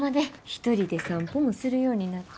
１人で散歩もするようになって。